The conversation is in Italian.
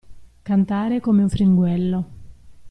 Cantare come un fringuello.